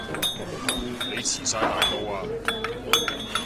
你遲哂大到啊